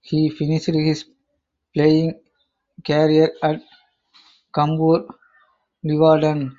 He finished his playing career at Cambuur Leeuwarden.